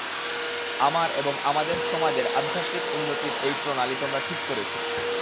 আমার এবং আমাদের সমাজের আধ্যাত্মিক উন্নতির এই প্রণালী তোমরা ঠিক করেছ!